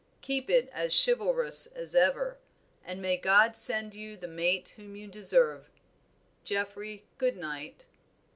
Keep it as chivalrous as ever, and may God send you the mate whom you deserve. Geoffrey, good night."